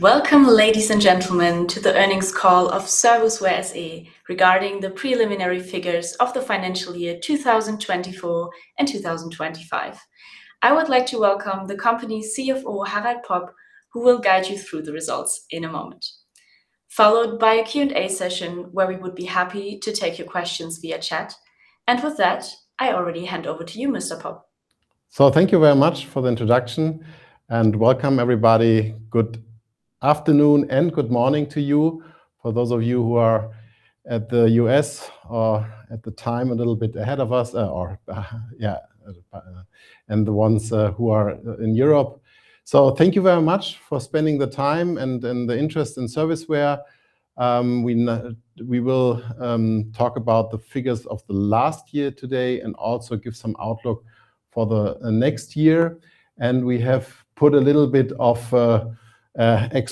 Welcome, ladies and gentlemen, to the earnings call of Serviceware SE, regarding the preliminary figures of the financial year 2024 and 2025. I would like to welcome the company's CFO, Harald Popp, who will guide you through the results in a moment, followed by a Q&A session, where we would be happy to take your questions via chat. With that, I already hand over to you, Mr. Popp. Thank you very much for the introduction, and welcome, everybody. Good afternoon, and good morning to you, for those of you who are at the U.S. at the time, a little bit ahead of us, or yeah, and the ones who are in Europe. Thank you very much for spending the time and the interest in Serviceware. We will talk about the figures of the last year today, and also give some outlook for the next year. We have put a little bit of ex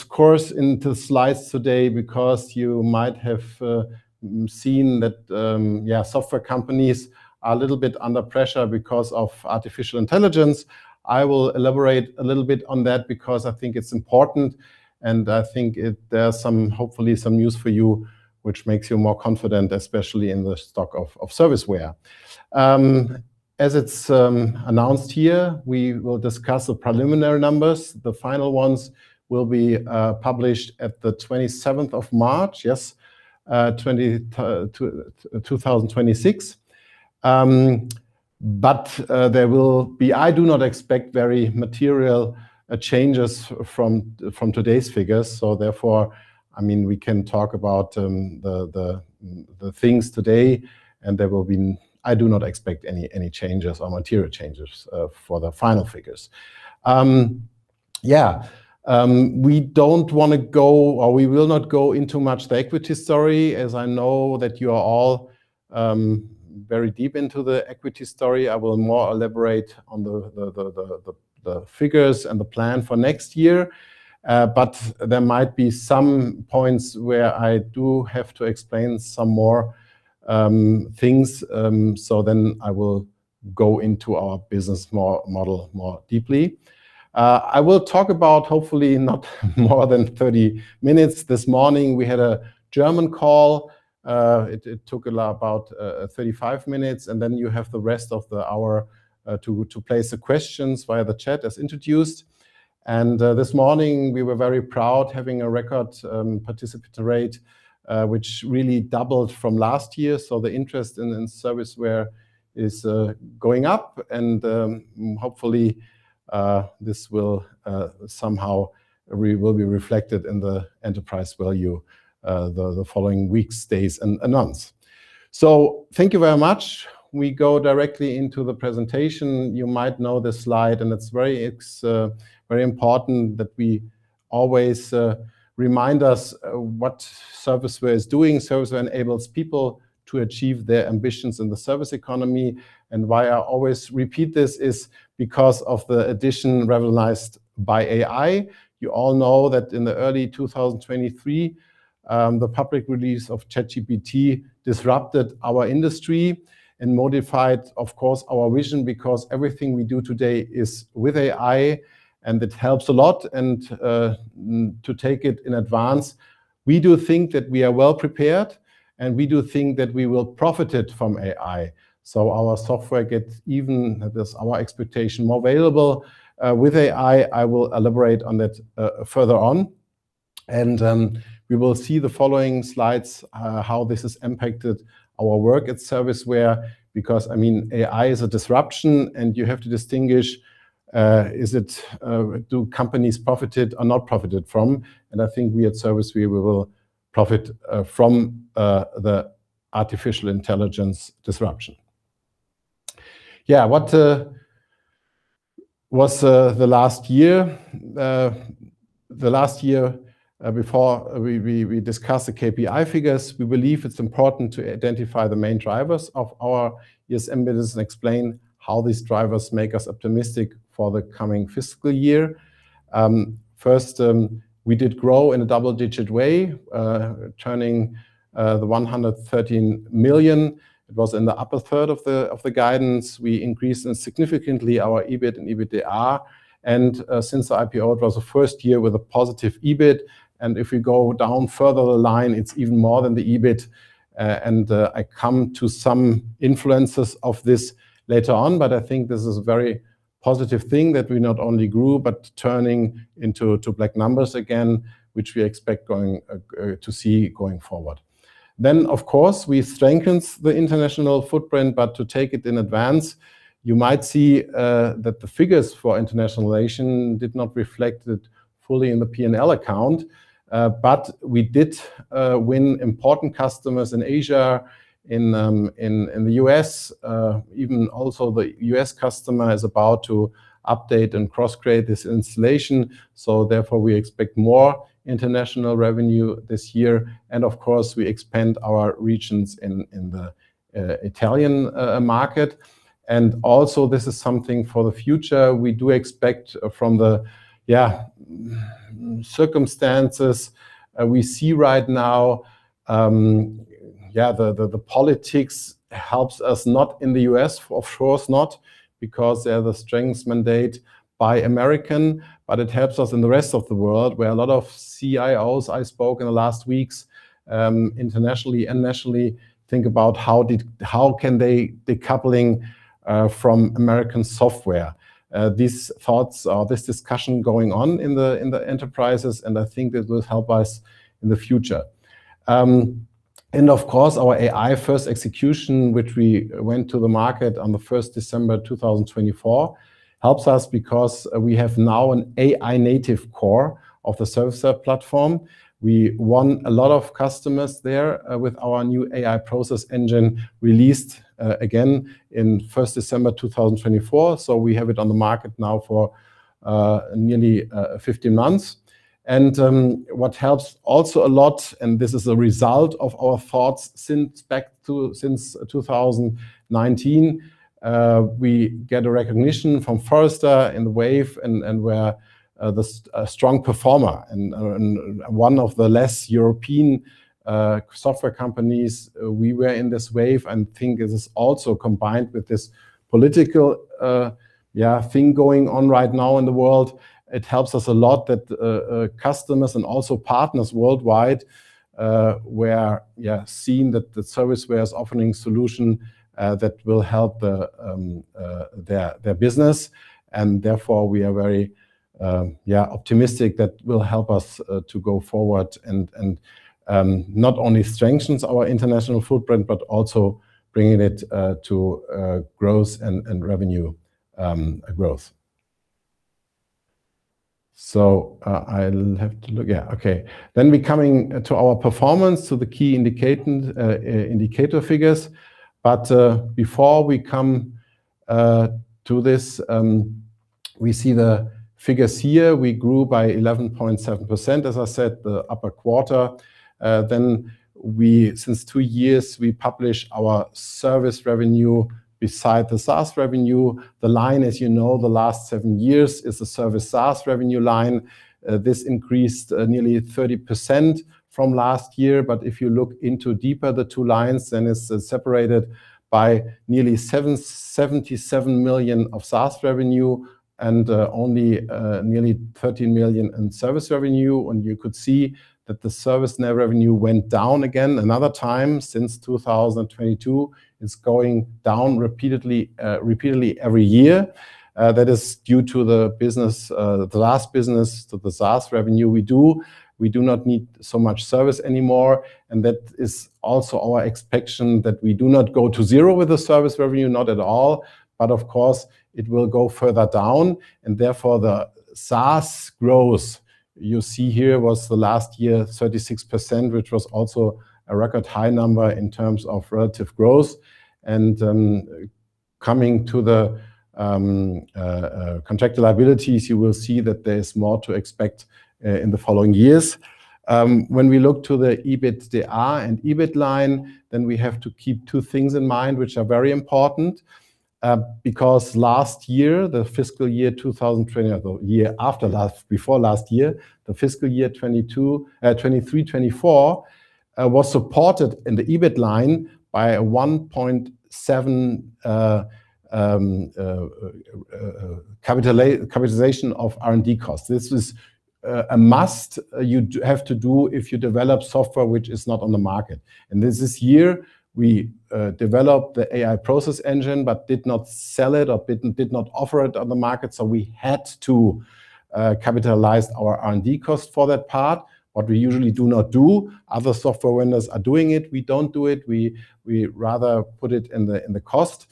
course into slides today, because you might have seen that software companies are a little bit under pressure because of artificial intelligence. I will elaborate a little bit on that because I think it's important, and I think there are some... hopefully some news for you, which makes you more confident, especially in the stock of Serviceware. As it's announced here, we will discuss the preliminary numbers. The final ones will be published at the 27th of March. Yes, 2026. I do not expect very material changes from today's figures, so therefore, I mean, we can talk about the things today, and I do not expect any changes or material changes for the final figures. Yeah, we don't wanna go, or we will not go into much the equity story, as I know that you are all very deep into the equity story. I will more elaborate on the figures and the plan for next year, but there might be some points where I do have to explain some more things. Then I will go into our business model more deeply. I will talk about hopefully not more than 30 minutes. This morning, we had a German call. It took about 35 minutes, and then you have the rest of the hour to place the questions via the chat, as introduced. This morning, we were very proud having a record participant rate, which really doubled from last year. The interest in Serviceware is going up, and hopefully, this will somehow will be reflected in the enterprise value, the following weeks, days, and months. Thank you very much. We go directly into the presentation. You might know this slide, and it's very important that we always remind us what Serviceware is doing. Serviceware enables people to achieve their ambitions in the service economy. Why I always repeat this is because of the addition revolutionized by AI. You all know that in the early 2023, the public release of ChatGPT disrupted our industry and modified, of course, our vision, because everything we do today is with AI, and it helps a lot and to take it in advance. We do think that we are well prepared, and we do think that we will profit it from AI, so our software gets even, as our expectation, more available with AI. I will elaborate on that further on. We will see the following slides how this has impacted our work at Serviceware, because, I mean, AI is a disruption, and you have to distinguish, is it, do companies profited or not profited from? I think we at Serviceware, we will profit from the artificial intelligence disruption. What was the last year? The last year, before we, we, we discuss the KPI figures, we believe it's important to identify the main drivers of our ESM business and explain how these drivers make us optimistic for the coming fiscal year. First, we did grow in a double-digit way, turning the 113 million. It was in the upper third of the, of the guidance. We increased in significantly our EBIT and EBITDA. Since the IPO, it was the first year with a positive EBIT. If we go down further the line, it's even more than the EBIT. I come to some influences of this later on. I think this is a very positive thing, that we not only grew, but turning into to black numbers again, which we expect going to see going forward. Of course, we strengthened the international footprint, but to take it in advance, you might see that the figures for internationalization did not reflect it fully in the P&L account. But we did win important customers in Asia, in the U.S. Even also the U.S. customer is about to update and cross-create this installation, therefore, we expect more international revenue this year. Of course, we expand our regions in the Italian market. Also, this is something for the future. We do expect from the, yeah, circumstances we see right now, yeah, the politics helps us not in the U.S., of course not, because they have a strengths mandate by American, it helps us in the rest of the world, where a lot of CIOs I spoke in the last weeks, internationally and nationally, think about how can they decoupling from American software. These thoughts or this discussion going on in the enterprises, and I think this will help us in the future. Of course, our AI first execution, which we went to the market on the 1st December 2024, helps us because we have now an AI native core of the Serviceware Platform. We won a lot of customers there with our new AI process engine, released again in 1st December 2024. We have it on the market now for nearly 15 months. What helps also a lot, and this is a result of our thoughts since back to... since 2019, we get a recognition from the Forrester Wave, and we're a strong performer and one of the less European software companies. We were in this wave, and think this is also combined with this political thing going on right now in the world. It helps us a lot that customers and also partners worldwide were seeing that the Serviceware is offering solution that will help their business, and therefore we are very optimistic that will help us to go forward and not only strengthens our international footprint, but also bringing it to growth and revenue growth. I'll have to look. We coming to our performance, so the key indicator indicator figures. Before we come to this, we see the figures here. We grew by 11.7%, as I said, the upper quarter. Since two years, we publish our service revenue beside the SaaS revenue. The line, as you know, the last seven years is the service SaaS revenue line. This increased nearly 30% from last year, but if you look into deeper, the two lines, then it's separated by nearly 77 million of SaaS revenue and only nearly 13 million in service revenue. You could see that the service net revenue went down again another time since 2022. It's going down repeatedly, repeatedly every year. That is due to the business, the last business, to the SaaS revenue we do. We do not need so much service anymore. That is also our expectation, that we do not go to zero with the service revenue, not at all, but of course, it will go further down. Therefore, the SaaS growth you see here was the last year, 36%, which was also a record high number in terms of relative growth. Coming to the contractual liabilities, you will see that there is more to expect in the following years. When we look to the EBITDAR and EBIT line, then we have to keep two things in mind, which are very important. Because last year, the fiscal year 2020... the year after last, before last year, the fiscal year 2022, 2023, 2024, was supported in the EBIT line by a 1.7 million capitalization of R&D costs. This is a must, you have to do if you develop software which is not on the market. This year, we developed the AI process engine, but did not sell it or did, did not offer it on the market, so we had to capitalize our R&D cost for that part. What we usually do not do, other software vendors are doing it. We don't do it. We, we rather put it in the, in the cost.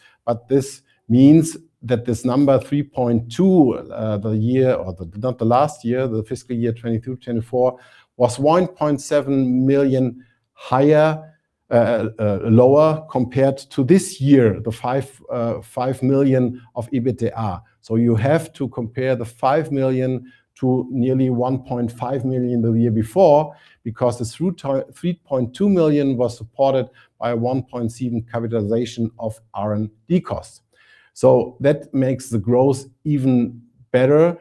This means that this number, 3.2 million, the year or the... the fiscal year 2022, 2024, was $1.7 million higher, lower compared to this year, the 5 million of EBITDAR. So you have to compare the 5 million to nearly 1.5 million the year before, because the 3.2 million was supported by a 1.7 million capitalization of R&D costs. That makes the growth even better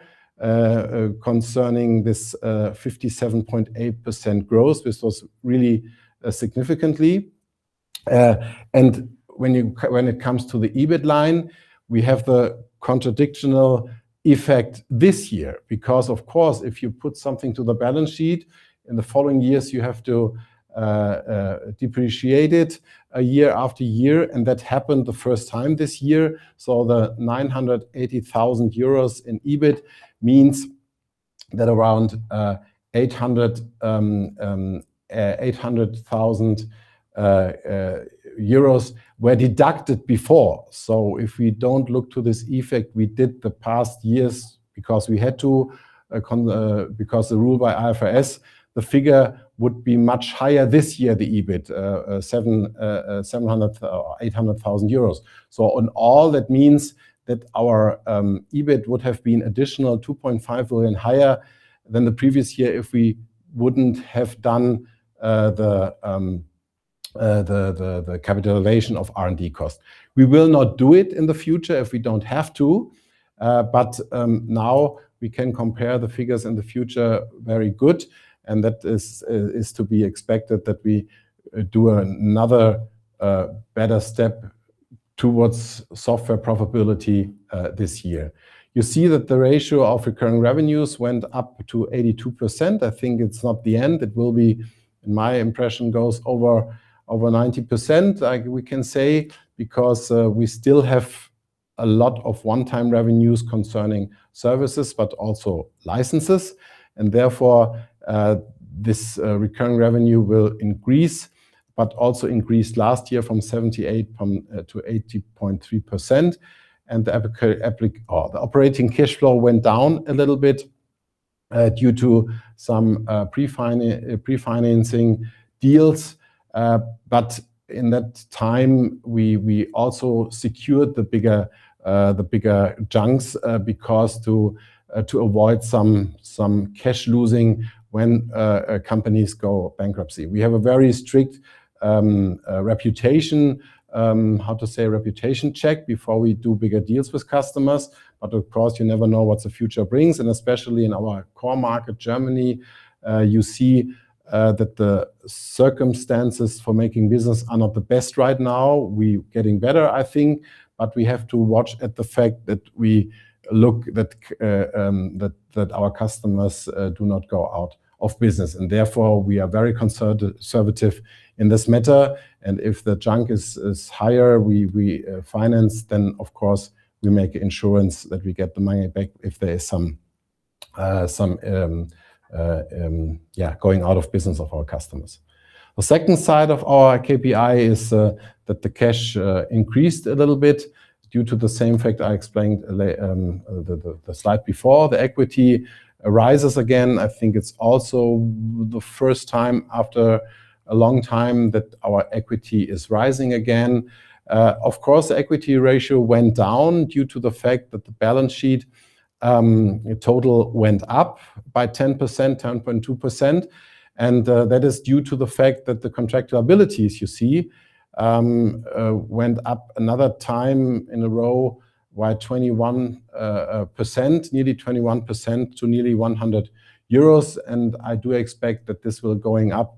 concerning this 57.8% growth, which was really significantly. And when it comes to the EBIT line, we have the contradictional effect this year, because of course, if you put something to the balance sheet, in the following years, you have to depreciate it year after year, and that happened the first time this year. The 980,000 euros in EBIT means that around EUR 800,000 were deducted before. If we don't look to this effect, we did the past years because we had to, because the rule by IFRS, the figure would be much higher this year, the EBIT, 800,000 euros. On all, that means that our EBIT would have been additional 2.5 million higher than the previous year if we wouldn't have done the capitalization of R&D costs. We will not do it in the future if we don't have to, but now we can compare the figures in the future very good, and that is to be expected that we do another better step towards software profitability this year. You see that the ratio of recurring revenues went up to 82%. I think it's not the end. It will be, my impression, goes over 90%, like we can say, because we still have a lot of one-time revenues concerning services, but also licenses. Therefore, this recurring revenue will increase, but also increased last year from 78% to 80.3%, and the operating cash flow went down a little bit due to some pre-financing deals. In that time, we, we also secured the bigger, the bigger junks, because to avoid some, some cash losing when companies go bankruptcy. We have a very strict reputation, how to say, reputation check before we do bigger deals with customers, but of course, you never know what the future brings. Especially in our core market, Germany, you see that the circumstances for making business are not the best right now. We're getting better, I think, but we have to watch at the fact that we look that, that our customers do not go out of business, and therefore, we are very conservative in this matter. If the junk is, is higher, we, we finance, then of course, we make insurance that we get the money back if there is some, yeah, going out of business of our customers. The second side of our KPI is that the cash increased a little bit due to the same fact I explained the slide before. The equity arises again. I think it's also the first time after a long time that our equity is rising again. Of course, the equity ratio went down due to the fact that the balance sheet total went up by 10%, 10.2%, and that is due to the fact that the contractual liabilities you see went up another time in a row by 21%, nearly 21% to nearly 100 euros, and I do expect that this will going up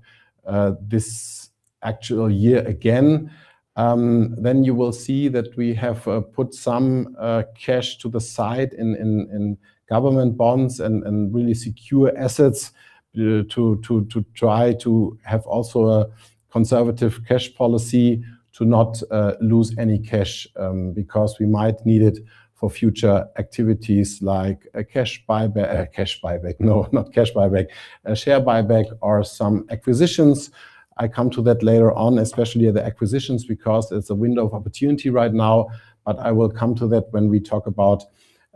this actual year again. Then you will see that we have put some cash to the side in government bonds and really secure assets to try to have also a conservative cash policy to not lose any cash because we might need it for future activities like a cash buyback. Cash buyback, no, not cash buyback. A share buyback or some acquisitions. I come to that later on, especially the acquisitions, because it's a window of opportunity right now. I will come to that when we talk about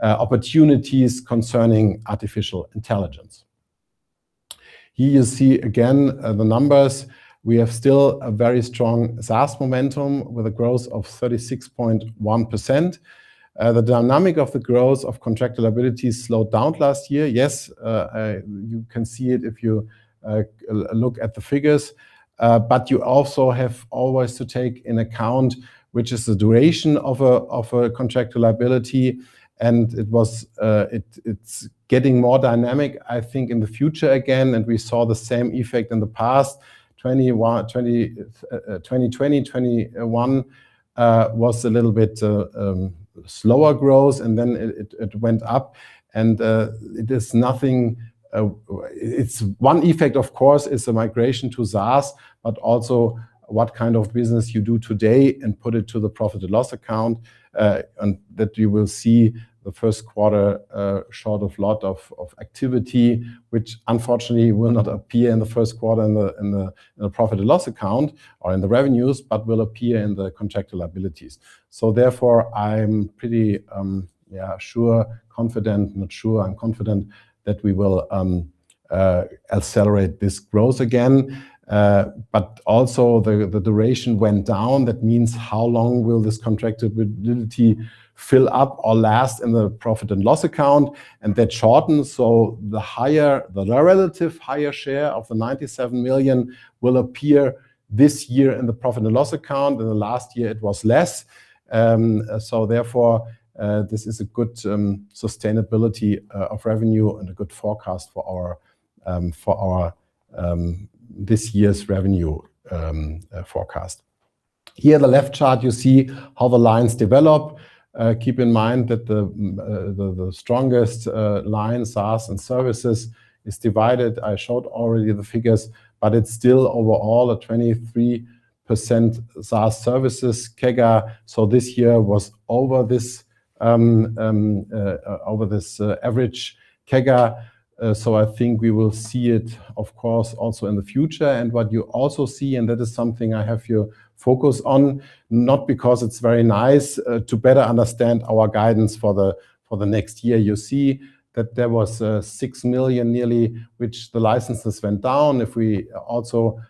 opportunities concerning artificial intelligence. Here you see again, the numbers. We have still a very strong SaaS momentum with a growth of 36.1%. The dynamic of the growth of contractual liabilities slowed down last year. Yes, you can see it if you look at the figures, you also have always to take in account, which is the duration of a contractual liability, it's getting more dynamic, I think, in the future again. We saw the same effect in the past. 21. 20, 2020, 2021, was a little bit slower growth, and then it, it, it went up, and it is nothing, it's. One effect, of course, is the migration to SaaS, but also what kind of business you do today and put it to the profit and loss account, and that you will see the first quarter, short of lot of activity, which unfortunately will not appear in the first quarter in the, in the, in the profit and loss account or in the revenues, but will appear in the contractual liabilities. Therefore, I'm pretty, yeah, sure, confident, not sure, I'm confident that we will accelerate this growth again. Also, the duration went down. That means, how long will this contractibility fill up or last in the profit and loss account? That shortens, so the higher, the relative higher share of the 97 million will appear this year in the P&L account, and the last year it was less. Therefore, this is a good sustainability of revenue and a good forecast for our for our this year's revenue forecast. Here, the left chart, you see how the lines develop. Keep in mind that the the strongest line, SaaS and services, is divided. I showed already the figures, but it's still overall a 23% SaaS services CAGR. This year was over this over this average CAGR. I think we will see it, of course, also in the future. What you also see, and that is something I have you focus on, not because it's very nice, to better understand our guidance for the, for the next year. You see that there was 6 million nearly, which the licenses went down. If we also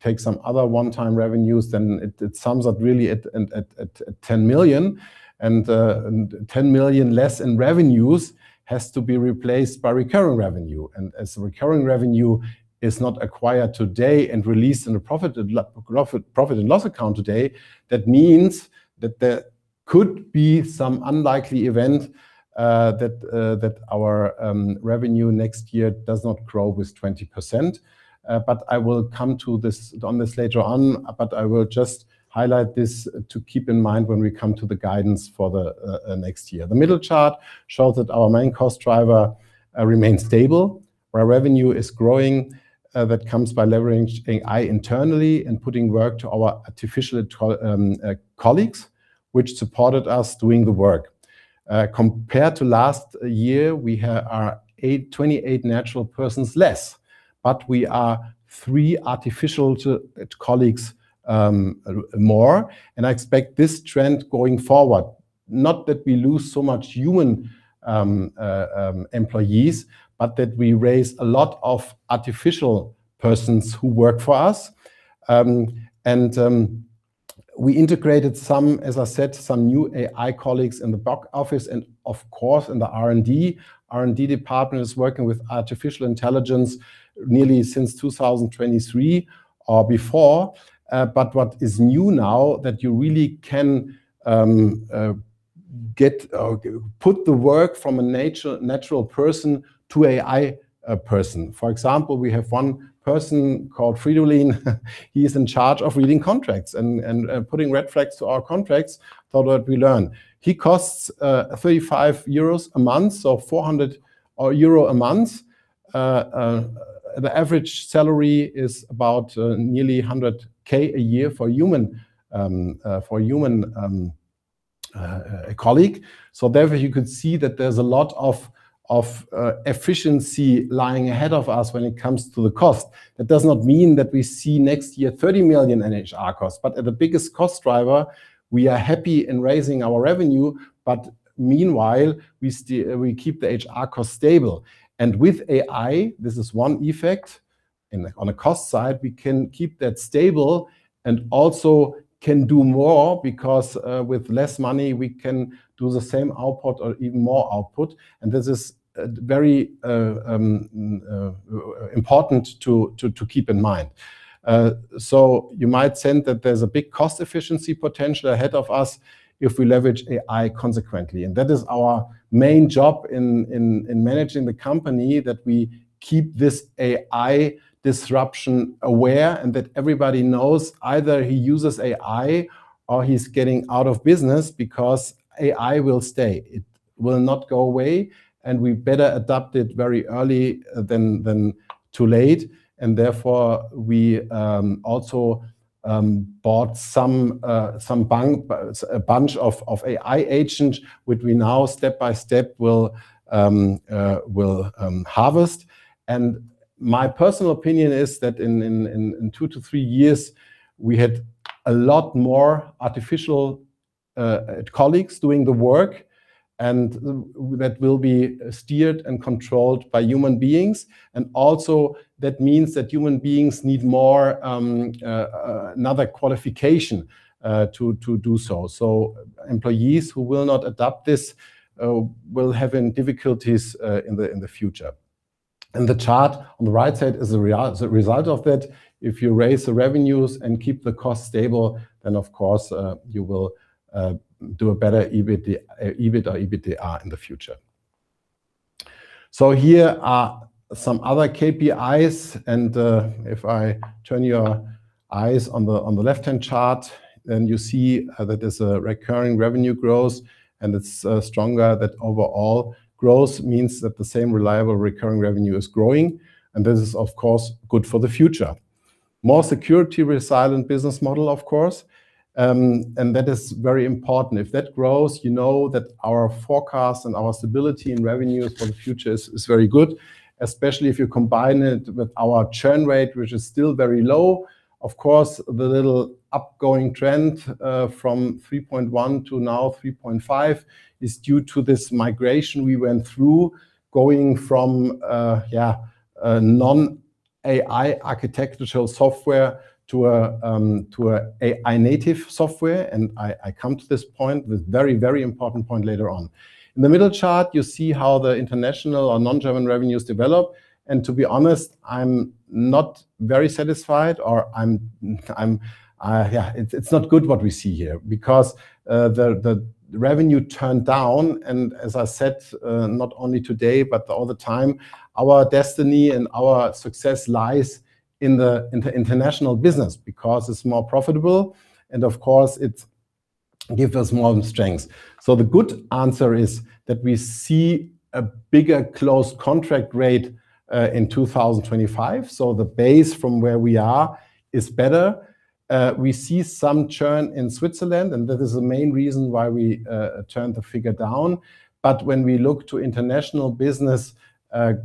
take some other one-time revenues, then it, it sums up really at, at, at, at 10 million. 10 million less in revenues has to be replaced by recurring revenue. As recurring revenue is not acquired today and released in a profit and loss account today, that means that could be some unlikely event, that our revenue next year does not grow with 20%. I will come to this on this later on, but I will just highlight this to keep in mind when we come to the guidance for the next year. The middle chart shows that our main cost driver remains stable. Our revenue is growing, that comes by leveraging AI internally and putting work to our artificial colleagues, which supported us doing the work. Compared to last year, we have 28 natural persons less, but we are three artificial to colleagues more, and I expect this trend going forward. Not that we lose so much human employees, but that we raise a lot of artificial persons who work for us. We integrated some, as I said, some new AI colleagues in the back office and of course, in the R&D. R&D department is working with artificial intelligence nearly since 2023 or before. What is new now, that you really can get or put the work from a natural person to AI person. For example, we have one person called Fridolin. He is in charge of reading contracts and putting red flags to our contracts for what we learn. He costs 35 euros a month, 400 euro a month. The average salary is about nearly 100,000 a year for human for a human colleague. Therefore, you can see that there's a lot of efficiency lying ahead of us when it comes to the cost. That does not mean that we see next year 30 million in HR costs, but the biggest cost driver, we are happy in raising our revenue, but meanwhile, we still. We keep the HR cost stable. With AI, this is one effect. On a cost side, we can keep that stable and also can do more because with less money, we can do the same output or even more output. This is very important to keep in mind. So you might sense that there's a big cost efficiency potential ahead of us if we leverage AI consequently. That is our main job in managing the company, that we keep this AI disruption aware, and that everybody knows either he uses AI or he's getting out of business because AI will stay. It will not go away, we better adapt it very early than, than too late. Therefore, we also bought some bank, a bunch of AI agents, which we now, step by step, will harvest. My personal opinion is that in two to three years, we had a lot more artificial colleagues doing the work, and that will be steered and controlled by human beings. Also, that means that human beings need more another qualification to do so. Employees who will not adapt this will have difficulties in the future. The chart on the right side is a real is a result of that. If you raise the revenues and keep the cost stable, then of course, you will do a better EBIT, EBITDA, EBITDA in the future. Here are some other KPIs, and if I turn your eyes on the, on the left-hand chart, then you see that there's a recurring revenue growth, and it's stronger. That overall growth means that the same reliable recurring revenue is growing, and this is, of course, good for the future. More security resilient business model, of course, and that is very important. If that grows, you know that our forecast and our stability in revenue for the future is, is very good, especially if you combine it with our churn rate, which is still very low. Of course, the little upgoing trend, from 3.1 to now 3.5, is due to this migration we went through, going from, yeah, a non-AI architectural software to a AI-native software, and I, I come to this point, this very, very important point later on. In the middle chart, you see how the international or non-German revenues develop. To be honest, I'm not very satisfied or I'm, I'm... Yeah, it's not good what we see here, because the revenue turned down. As I said, not only today, but all the time, our destiny and our success lies in the international business because it's more profitable, and of course, it gives us more strength. The good answer is that we see a bigger closed contract rate in 2025, so the base from where we are is better. We see some churn in Switzerland, and that is the main reason why we churn the figure down. When we look to international business,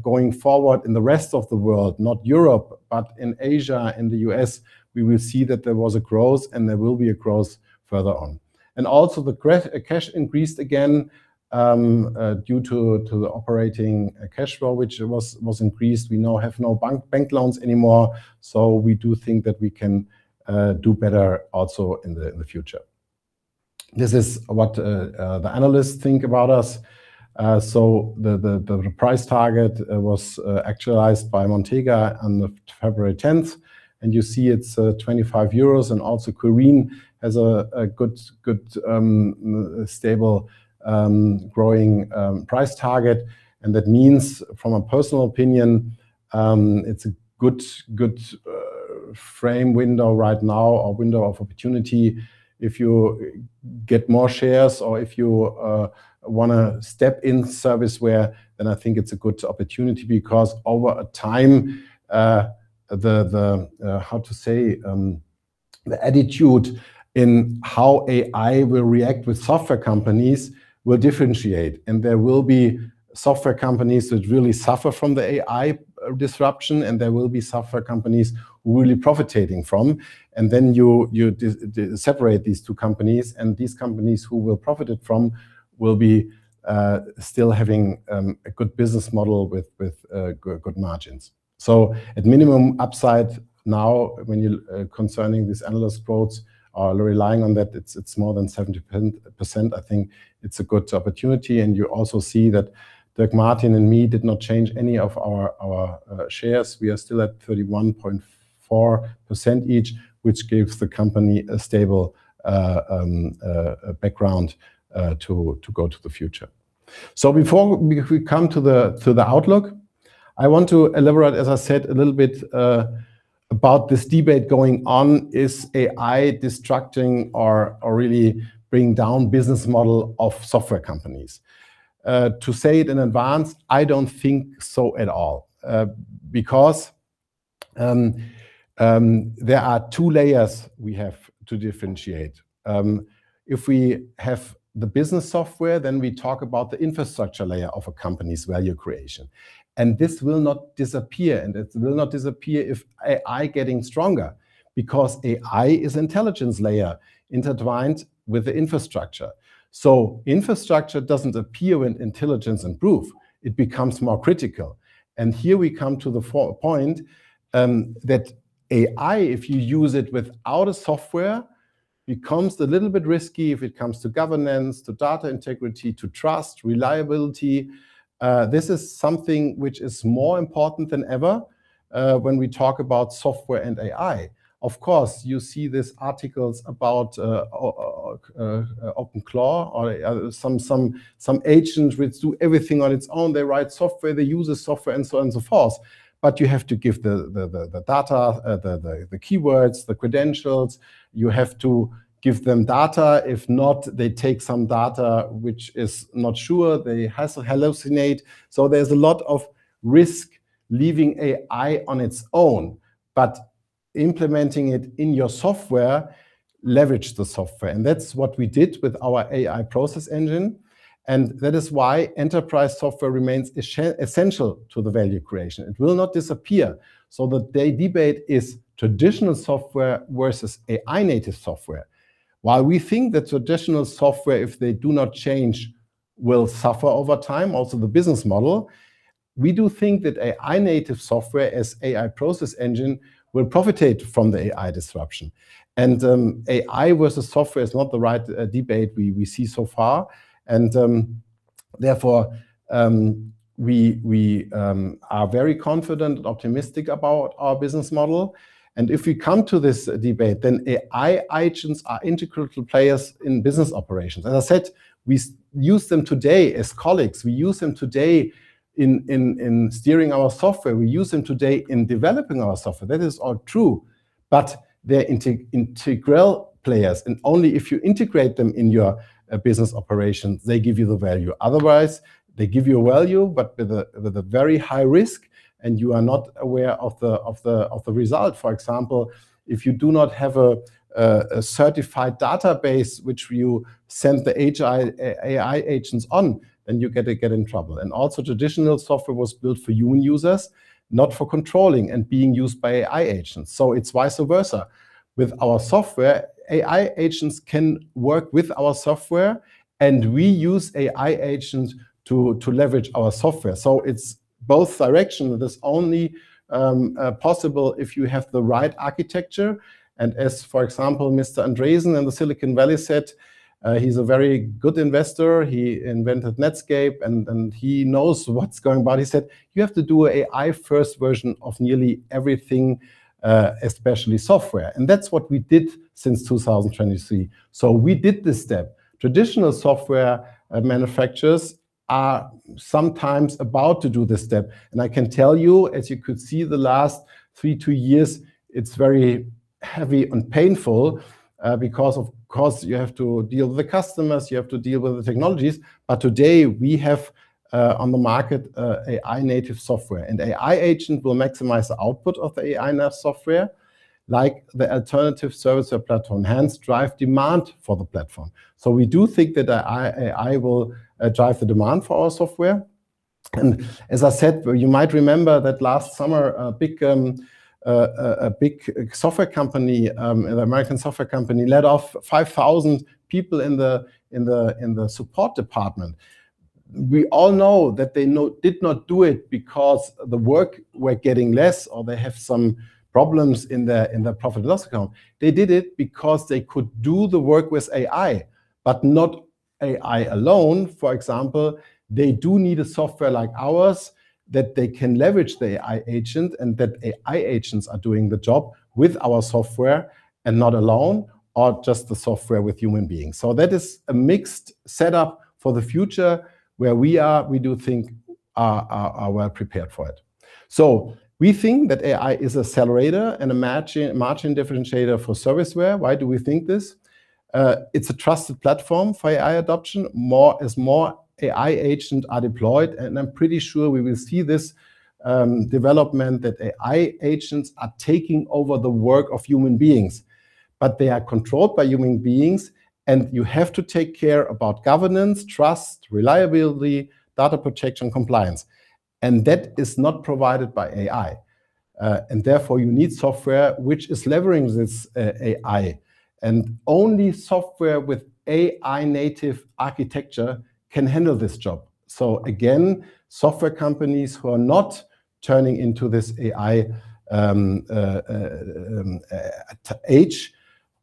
going forward in the rest of the world, not Europe, but in Asia and the U.S., we will see that there was a growth and there will be a growth further on. Also, the gra- cash increased again, due to, to the operating cash flow, which was, was increased. We now have no bank, bank loans anymore, so we do think that we can do better also in the, in the future. This is what the analysts think about us. The, the, the price target was actualized by Montega on the February 10th, and you see it's 25 euros, and also Karim has a good, good, stable, growing price target. That means, from a personal opinion, it's a good, good frame window right now, or window of opportunity. If you get more shares or if you wanna step in Serviceware, then I think it's a good opportunity, because over a time, the, the, how to say, the attitude in how AI will react with software companies will differentiate, and there will be software companies that really suffer from the AI disruption, and there will be software companies really profiting from. Then you, you separate these two companies, and these companies who will profit it from will be still having a good business model with good, good margins. At minimum upside now, when you concerning these analyst quotes, are relying on that, it's more than 70%. I think it's a good opportunity, and you also see that Dirk Martin and me did not change any of our shares. We are still at 31.4% each, which gives the company a stable background to go to the future. Before we come to the outlook, I want to elaborate, as I said, a little bit about this debate going on. Is AI destructing or really bringing down business model of software companies? To say it in advance, I don't think so at all, because there are two layers we have to differentiate. If we have the business software, then we talk about the infrastructure layer of a company's value creation. This will not disappear. It will not disappear if AI getting stronger, because AI is intelligence layer intertwined with the infrastructure. Infrastructure doesn't appear when intelligence improve, it becomes more critical. Here we come to the point that AI, if you use it without a software, becomes a little bit risky if it comes to governance, to data integrity, to trust, reliability. This is something which is more important than ever when we talk about software and AI. Of course, you see these articles about OpenAI or some agents which do everything on its own. They write software, they use the software, and so on and so forth. You have to give the data, the keywords, the credentials. You have to give them data. If not, they take some data, which is not sure. They hallucinate. There's a lot of risk leaving AI on its own, but implementing it in your software, leverage the software, and that's what we did with our AI process engine, and that is why enterprise software remains essential to the value creation. It will not disappear. The debate is traditional software versus AI-native software. While we think that traditional software, if they do not change, will suffer over time, also, the business model, we do think that AI-native software as AI process engine will profit from the AI disruption. AI versus software is not the right debate we see so far. Therefore, we are very confident and optimistic about our business model. If we come to this debate, then AI agents are integral players in business operations. As I said, we use them today as colleagues. We use them today in, in, in steering our software. We use them today in developing our software. That is all true, but they're integral players, and only if you integrate them in your business operations, they give you the value. Otherwise, they give you value, but with a, with a very high risk, and you are not aware of the, of the, of the result. For example, if you do not have a certified database, which you send the AI agents on, then you get to get in trouble. And also, traditional software was built for human users, not for controlling and being used by AI agents, so it's vice versa. With our software, AI agents can work with our software, and we use AI agents to, to leverage our software. So it's both directional. That's only possible if you have the right architecture. And as, for example, Mr. Andreessen in the Silicon Valley said, he's a very good investor. He invented Netscape, and, and he knows what's going on. He said, "You have to do AI first version of nearly everything, especially software." That's what we did since 2023. We did this step. Traditional software manufacturers are sometimes about to do this step, and I can tell you, as you could see, the last three, two years, it's very heavy and painful, because of course, you have to deal with the customers, you have to deal with the technologies. Today, we have on the market AI-native software, and AI agent will maximize the output of the AI-native software, like the alternative service or platform, hence drive demand for the platform. We do think that AI will drive the demand for our software. As I said, you might remember that last summer, a big software company, an American software company, laid off 5,000 people in the support department. We all know that they did not do it because the work were getting less, or they have some problems in their profit and loss account. They did it because they could do the work with AI, but not AI alone. For example, they do need a software like ours, that they can leverage the AI agent, and that AI agents are doing the job with our software and not alone, or just the software with human beings. That is a mixed setup for the future, where we are, we do think are well prepared for it. We think that AI is accelerator and a margin differentiator for Serviceware. Why do we think this? It's a trusted platform for AI adoption. As more AI agent are deployed, and I'm pretty sure we will see this development, that AI agents are taking over the work of human beings, but they are controlled by human beings, and you have to take care about governance, trust, reliability, data protection, compliance, and that is not provided by AI. Therefore, you need software which is leveraging this AI, and only software with AI-native architecture can handle this job. Again, software companies who are not turning into this AI age,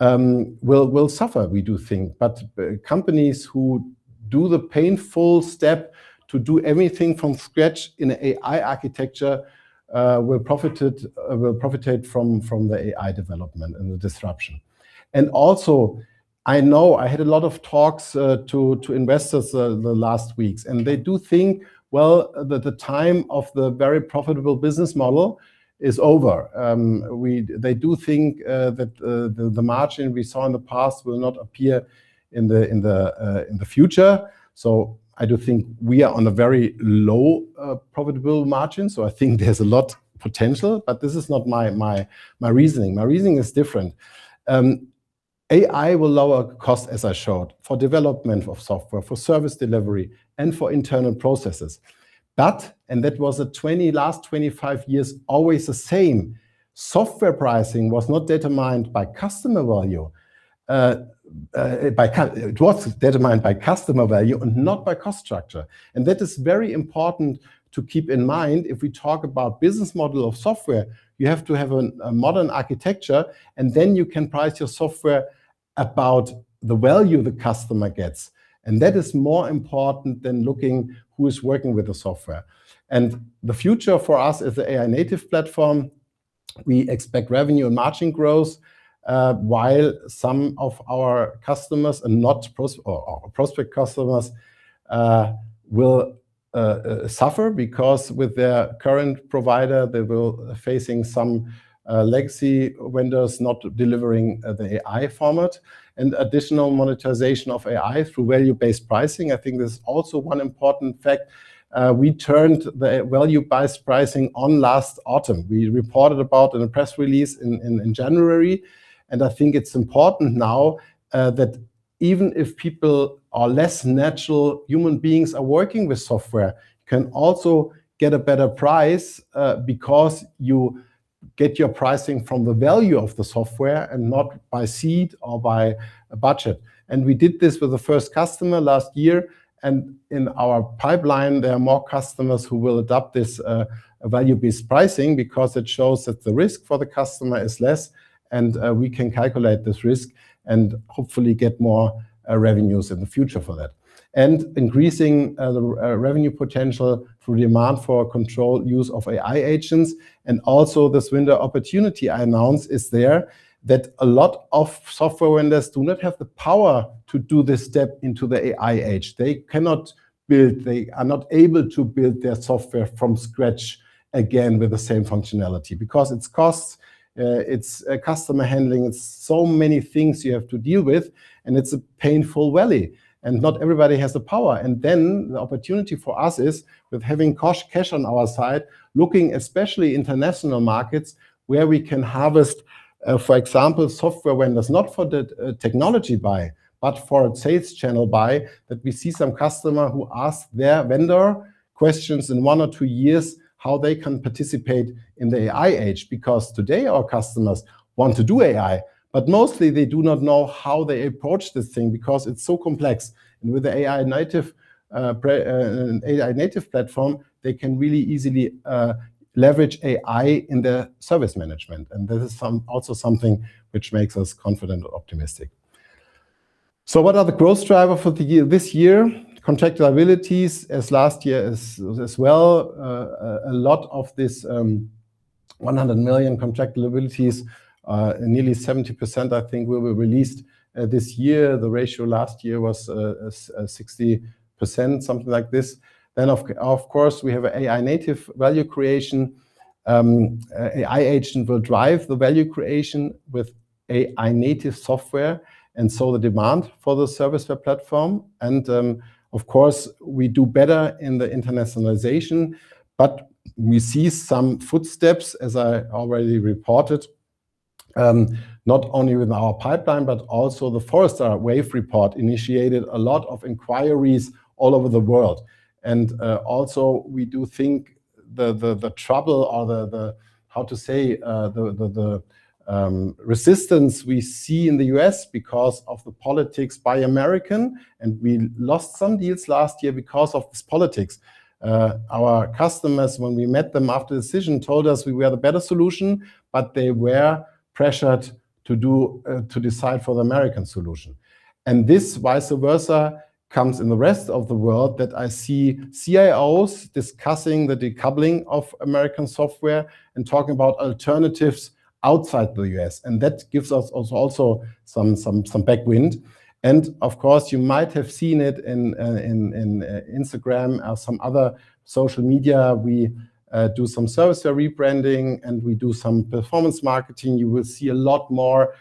will suffer, we do think. Companies who do the painful step to do everything from scratch in a AI architecture will profited, will profitate from, from the AI development and the disruption. Also, I know I had a lot of talks to investors the last weeks, and they do think, well, that the time of the very profitable business model is over. They do think that the margin we saw in the past will not appear in the, in the, in the future. I do think we are on a very low profitable margin, so I think there's a lot potential, but this is not my, my, my reasoning. My reasoning is different. AI will lower costs, as I showed, for development of software, for service delivery, and for internal processes. That was a last 25 years, always the same, software pricing was not determined by customer value, it was determined by customer value and not by cost structure. That is very important to keep in mind if we talk about business model of software. You have to have a modern architecture, and then you can price your software about the value the customer gets, and that is more important than looking who is working with the software. The future for us as the AI-native platform, we expect revenue and margin growth while some of our customers and not prospect customers will suffer because with their current provider, they will facing some legacy vendors not delivering the AI format and additional monetization of AI through value-based pricing. I think there's also one important fact, we turned the value-based pricing on last autumn. We reported about in a press release in January, and I think it's important now that even if people are less natural human beings are working with software, can also get a better price, because you get your pricing from the value of the software and not by seat or by budget. We did this with the first customer last year, and in our pipeline, there are more customers who will adopt this value-based pricing because it shows that the risk for the customer is less, and we can calculate this risk and hopefully get more revenues in the future for that. Increasing the revenue potential through demand for controlled use of AI agents, and also this vendor opportunity I announced is there, that a lot of software vendors do not have the power to do this step into the AI age. They cannot build... They are not able to build their software from scratch again with the same functionality because it's costs, it's customer handling. It's so many things you have to deal with, and it's a painful valley, and not everybody has the power. The opportunity for us is with having cash, cash on our side, looking especially international markets, where we can harvest, for example, software vendors, not for the technology buy, but for a sales channel buy, that we see some customer who ask their vendor questions in one or two years, how they can participate in the AI age. Because today, our customers want to do AI, but mostly they do not know how they approach this thing because it's so complex. With the AI-native platform, they can really easily leverage AI in their service management, and this is also something which makes us confident and optimistic. What are the growth driver for this year? Contractual liabilities, as last year as well. A lot of this 100 million contract liabilities, nearly 70%, I think, will be released this year. The ratio last year was 60%, something like this. Of course, we have AI-native value creation. AI agent will drive the value creation with AI-native software, so the demand for the Serviceware Platform. Of course, we do better in the internationalization, but we see some footsteps, as I already reported, not only with our pipeline, but also the Forrester Wave report initiated a lot of inquiries all over the world. Also, we do think the trouble or the resistance we see in the U.S. because of the politics Buy American, and we lost some deals last year because of this politics. Our customers, when we met them after the decision, told us we had a better solution, but they were pressured to decide for the American solution. This vice versa comes in the rest of the world, that I see CIOs discussing the decoupling of American software and talking about alternatives outside the U.S., and that gives us also some, some, some backwind. Of course, you might have seen it in, in Instagram or some other social media. We do some Serviceware rebranding, and we do some performance marketing. You will see a lot more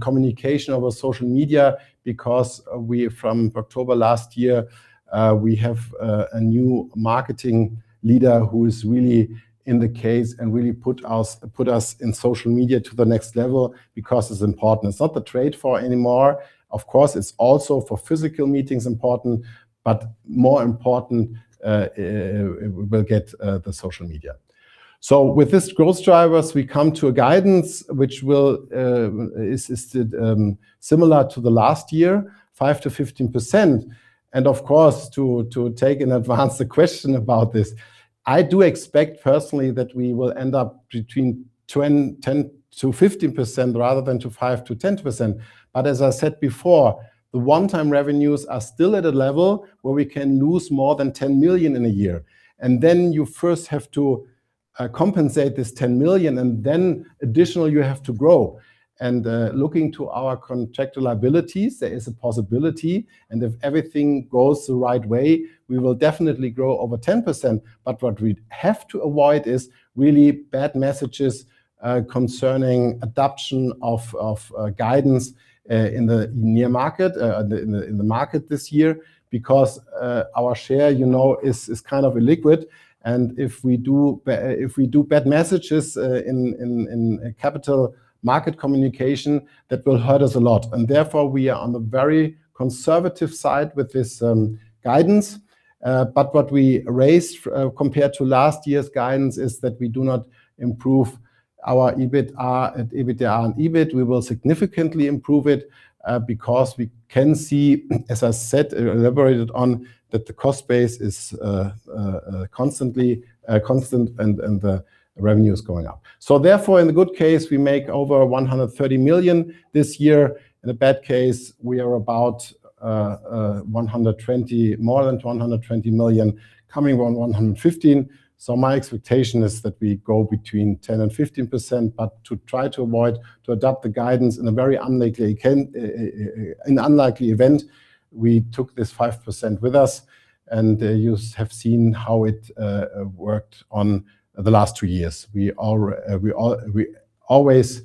communication over social media because we from October last year, we have a new marketing leader who is really in the case and really put us, put us in social media to the next level because it's important. It's not the trade fair anymore. Of course, it's also for physical meetings important, but more important, we'll get the social media. With this growth drivers, we come to a guidance which will, is, similar to the last year, 5%-15%. Of course, to take in advance the question about this, I do expect personally that we will end up between 10%-15%, rather than to 5%-10%. As I said before, the one-time revenues are still at a level where we can lose more than 10 million in a year. Then you first have to compensate this 10 million, and then additionally, you have to grow. Looking to our contractual liabilities, there is a possibility, and if everything goes the right way, we will definitely grow over 10%. What we have to avoid is really bad messages concerning adoption of guidance in the near market, in the market this year. Our share, you know, is kind of illiquid, and if we do bad messages in capital market communication, that will hurt us a lot, and therefore, we are on the very conservative side with this guidance. What we raised, compared to last year's guidance, is that we do not improve our EBITDA, and EBITDA and EBIT, we will significantly improve it, because we can see, as I said, elaborated on, that the cost base is, constantly, constant and, and the revenue is going up. Therefore, in the good case, we make over 130 million this year. In a bad case, we are about, more than 120 million, coming around 115 million. My expectation is that we go between 10% and 15%, but to try to avoid to adopt the guidance in a very unlikely event... an unlikely event, we took this 5% with us, and, you have seen how it, worked on the last two years. We all, we all- we always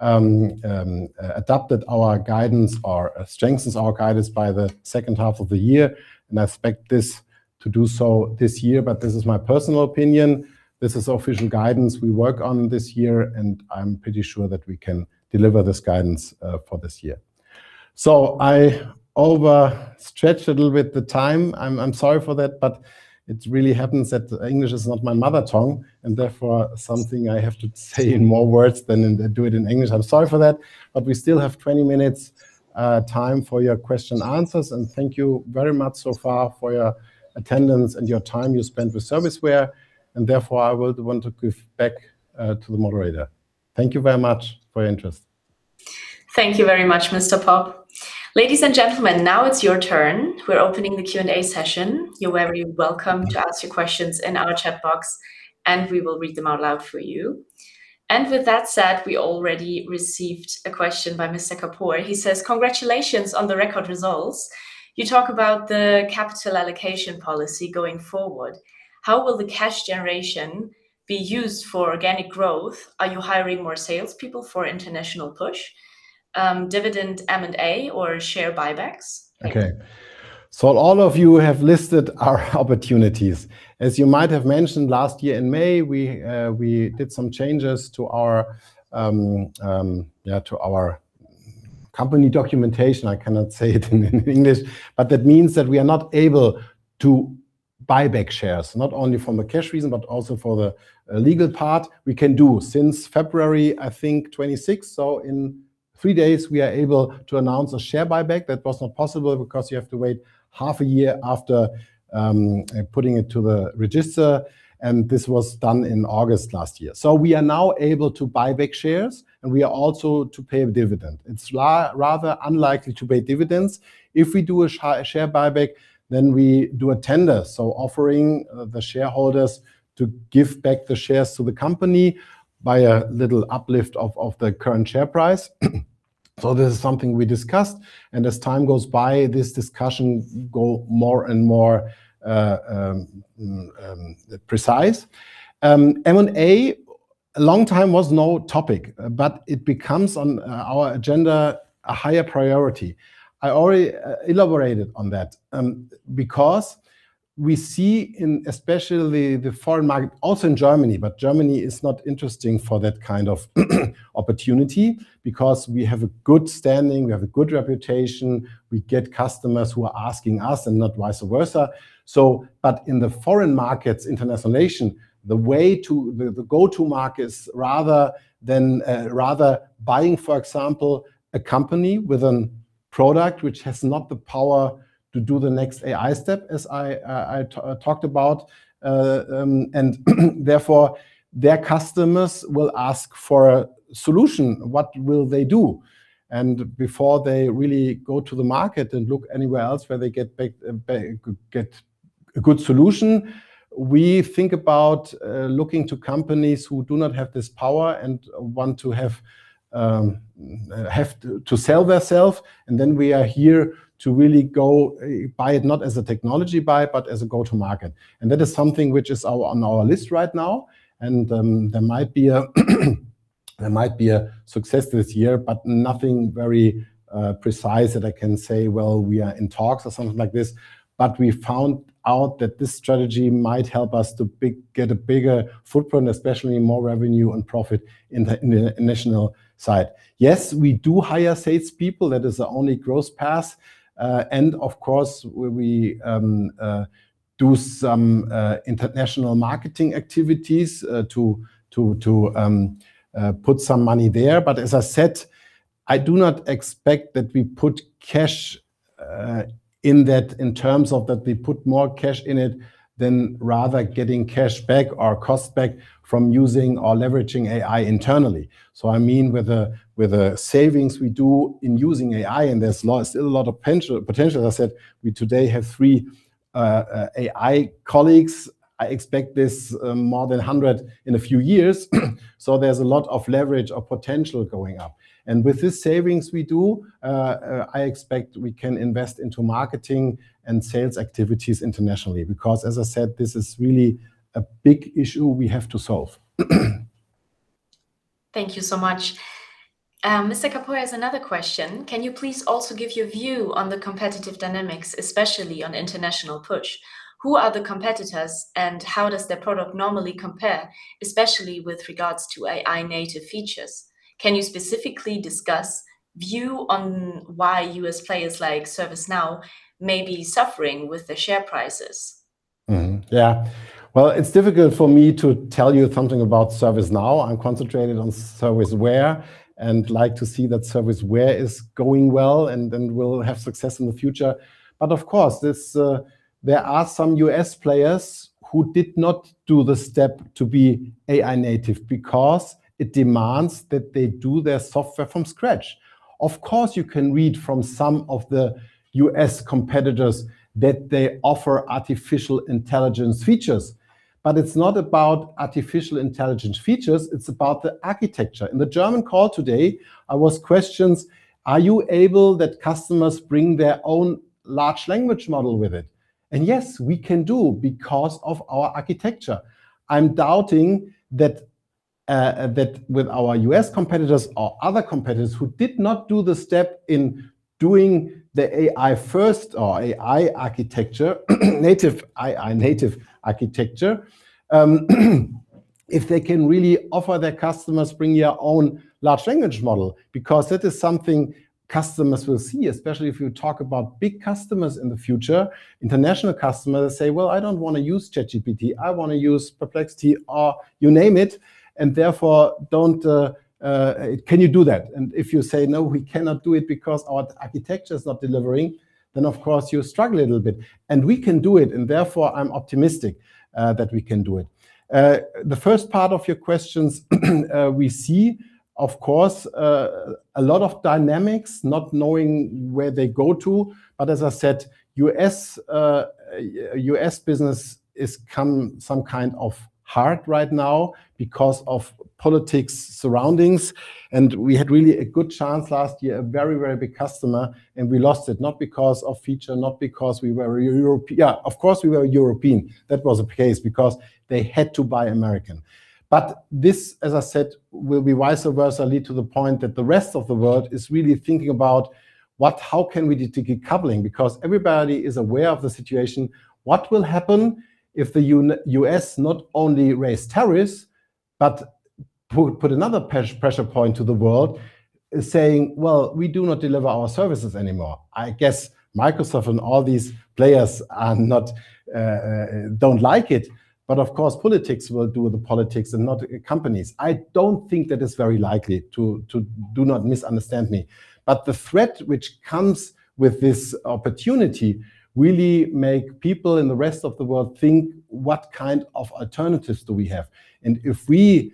adapted our guidance or strengthens our guidance by the second half of the year, and I expect this to do so this year. This is my personal opinion. This is official guidance we work on this year, and I'm pretty sure that we can deliver this guidance for this year. I overstretched a little bit the time. I'm sorry for that, but it really happens that English is not my mother tongue, and therefore, something I have to say in more words than in- do it in English. I'm sorry for that, but we still have 20 minutes time for your question and answers. Thank you very much so far for your attendance and your time you spent with Serviceware, and therefore, I would want to give back to the moderator. Thank you very much for your interest. Thank you very much, Mr. Popp. Ladies and gentlemen, now it's your turn. We're opening the Q&A session. You're very welcome to ask your questions in our chat box. We will read them out loud for you. With that said, we already received a question by Mr. Kapoor. He says, "Congratulations on the record results. You talk about the capital allocation policy going forward. How will the cash generation be used for organic growth? Are you hiring more salespeople for international push, dividend M&A or share buybacks? Okay. All of you have listed our opportunities. As you might have mentioned, last year in May, we did some changes to our company documentation. I cannot say it in English, but that means that we are not able to buy back shares, not only from a cash reason, but also for the legal part. We can do since February, I think, 26th. In three days, we are able to announce a share buyback. That was not possible because you have to wait half a year after putting it to the register, and this was done in August last year. We are now able to buy back shares, and we are also to pay a dividend. It's rather unlikely to pay dividends. If we do a share buyback, then we do a tender, so offering the shareholders to give back the shares to the company by a little uplift of, of the current share price. This is something we discussed, and as time goes by, this discussion go more and more precise. M&A, a long time was no topic, but it becomes on our agenda a higher priority. I already elaborated on that, because we see in, especially the foreign market, also in Germany, but Germany is not interesting for that kind of opportunity because we have a good standing, we have a good reputation, we get customers who are asking us, and not vice versa. In the foreign markets, internationalization, the way to the go-to markets, rather than rather buying, for example, a company with an-... product, which has not the power to do the next AI step, as I talked about. Therefore, their customers will ask for a solution, what will they do? Before they really go to the market and look anywhere else, where they get a good solution, we think about looking to companies who do not have this power and want to have to sell theirself, and then we are here to really go buy it, not as a technology buy, but as a go-to-market. That is something which is on our list right now, and there might be a, there might be a success this year, but nothing very precise that I can say, "Well, we are in talks," or something like this. We found out that this strategy might help us to get a bigger footprint, especially more revenue and profit in the international side. Yes, we do hire salespeople, that is the only growth path. Of course, we do some international marketing activities to put some money there. As I said, I do not expect that we put cash in that in terms of that we put more cash in it than rather getting cash back or cost back from using or leveraging AI internally. I mean, with the savings we do in using AI, and there's still a lot of potential. I said we today have three AI colleagues. I expect this more than 100 in a few years. There's a lot of leverage or potential going up. With this savings we do, I expect we can invest into marketing and sales activities internationally, because, as I said, this is really a big issue we have to solve. Thank you so much. Mr. Kapoor has another question: Can you please also give your view on the competitive dynamics, especially on international push? Who are the competitors, how does their product normally compare, especially with regards to AI native features? Can you specifically discuss view on why U.S. players like ServiceNow may be suffering with the share prices? Mm-hmm. Yeah. Well, it's difficult for me to tell you something about ServiceNow. I'm concentrated on Serviceware, and like to see that Serviceware is going well, and then we'll have success in the future. Of course, this, there are some U.S. players who did not do the step to be AI native because it demands that they do their software from scratch. Of course, you can read from some of the U.S. competitors that they offer artificial intelligence features, but it's not about artificial intelligence features, it's about the architecture. In the German call today, I was questions, "Are you able that customers bring their own large language model with it?" Yes, we can do because of our architecture. I'm doubting that, that with our U.S. competitors or other competitors who did not do the step in doing the AI first or AI architecture, native AI, native architecture, if they can really offer their customers bring your own large language model, because that is something customers will see, especially if you talk about big customers in the future. International customers say, "Well, I don't want to use ChatGPT. I want to use Perplexity," or you name it. Can you do that? If you say, "No, we cannot do it because our architecture is not delivering," then, of course, you struggle a little bit. We can do it, and therefore, I'm optimistic that we can do it. The first part of your questions, we see, of course, a lot of dynamics, not knowing where they go to, as I said, U.S. business is come some kind of hard right now because of politics surroundings, and we had really a good chance last year, a very, very big customer, and we lost it. Not because of feature, not because we were European. Yeah, of course, we were European. That was the case, because they had to buy American. This, as I said, will be vice versa, lead to the point that the rest of the world is really thinking about how can we decoupling, because everybody is aware of the situation. What will happen if the U.S. not only raise tariffs, but put another pressure point to the world, saying, "Well, we do not deliver our services anymore"? I guess Microsoft and all these players are not don't like it, but of course, politics will do the politics and not companies. I don't think that is very likely to. Do not misunderstand me. The threat which comes with this opportunity really make people in the rest of the world think: What kind of alternatives do we have? If we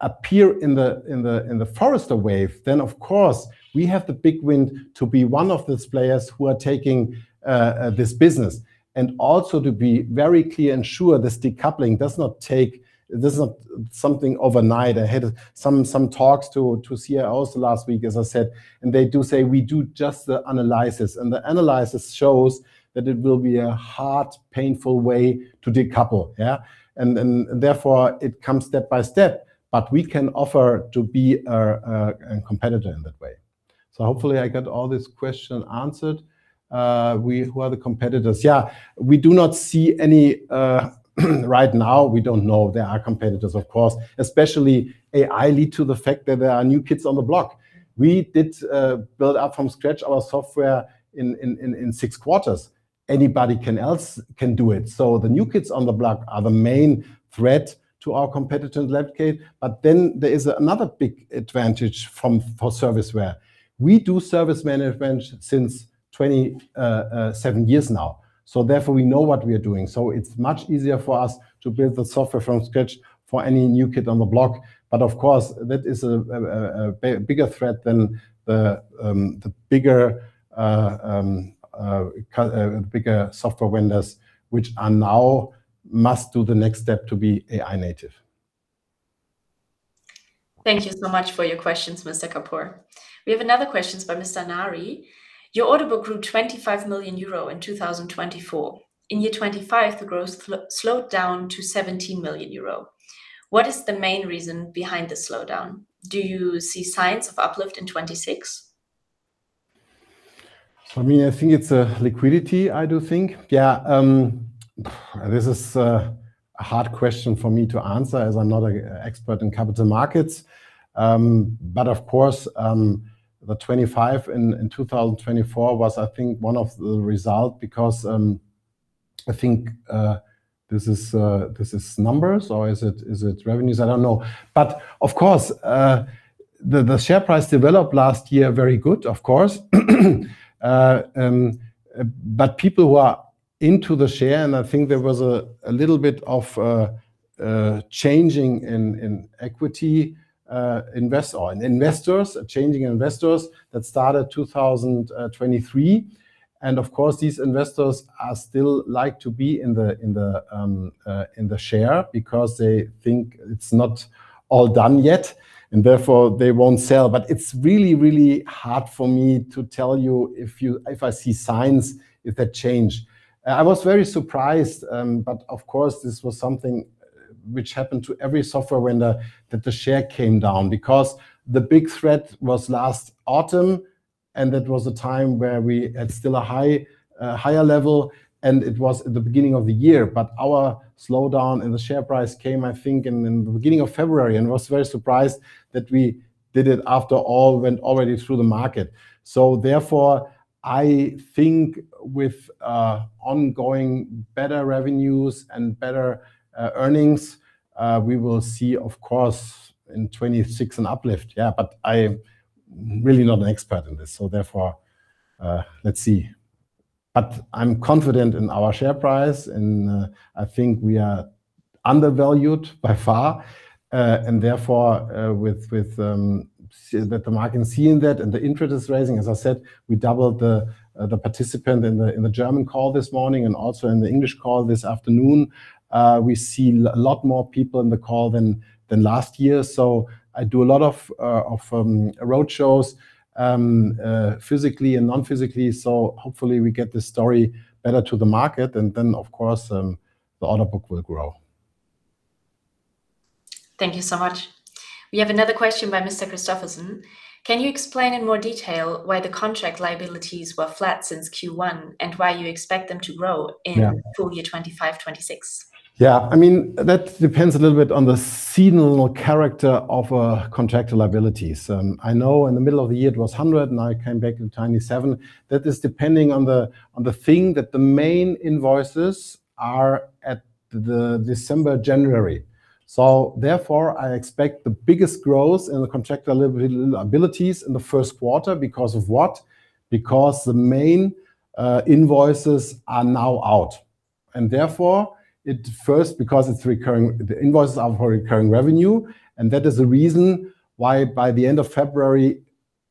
appear in the Forrester Wave, then, of course, we have the big wind to be one of those players who are taking this business, and also to be very clear and sure this is not something overnight. I had some, some talks to, to CIOs last week, as I said, and they do say, "We do just the analysis." The analysis shows that it will be a hard, painful way to decouple. Yeah. Then, therefore, it comes step by step, but we can offer to be a, a, a competitor in that way. Hopefully, I got all this question answered. Who are the competitors? Yeah, we do not see any right now, we don't know. There are competitors, of course, especially AI lead to the fact that there are new kids on the block. We did build up from scratch our software in, in, in, in six quarters. Anybody else can do it. The new kids on the block are the main threat to our competitors, Lab49. Then there is another big advantage from, for Serviceware We do service management since 27 years now, so therefore we know what we are doing. It's much easier for us to build the software from scratch for any new kid on the block. Of course, that is a big, bigger threat than the bigger, bigger software vendors, which are now must do the next step to be AI native. Thank you so much for your questions, Mr. Kapoor. We have another questions by Mr. Nari: Your order book grew 25 million euro in 2024. In year 2025, the growth slowed down to 17 million euro. What is the main reason behind this slowdown? Do you see signs of uplift in 2026? For me, I think it's liquidity, I do think. Yeah, this is a hard question for me to answer, as I'm not an expert in capital markets. Of course, the 2025 in 2024 was, I think, one of the results, because, I think, this is numbers or is it revenues? I don't know. Of course, the share price developed last year very good, of course. People who are into the share, and I think there was a little bit of changing in equity on investors, changing investors that started 2023. Of course, these investors are still like to be in the, in the share because they think it's not all done yet, and therefore they won't sell. It's really, really hard for me to tell you if I see signs, if that changed. I was very surprised, but of course, this was something which happened to every software vendor, that the share came down. The big threat was last autumn, and that was a time where we at still a high, higher level, and it was at the beginning of the year. Our slowdown in the share price came, I think, in, in the beginning of February, and was very surprised that we did it after all went already through the market. Therefore, I think with ongoing better revenues and better earnings, we will see, of course, in 2026, an uplift. I'm really not an expert in this, therefore, let's see. I'm confident in our share price, and I think we are undervalued by far. Therefore, with that the market can see in that and the interest is rising. As I said, we doubled the participant in the German call this morning, and also in the English call this afternoon. We see a lot more people in the call than last year. I do a lot of road shows physically and non-physically, so hopefully we get this story better to the market, and then, of course, the order book will grow. Thank you so much. We have another question by Mr. Christophersen: Can you explain in more detail why the contract liabilities were flat since Q1, and why you expect them to grow? Yeah... in full year 2025, 2026? Yeah. I mean, that depends a little bit on the seasonal character of contractual liabilities. I know in the middle of the year it was 100 million, and I came back in 27 million. That is depending on the thing that the main invoices are at the December, January. Therefore, I expect the biggest growth in the contractual liabilities in the first quarter, because of what? The main invoices are now out, and therefore it first, because it's recurring, the invoices are for recurring revenue, and that is the reason why by the end of February,